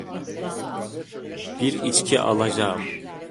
Bir içki alacağım.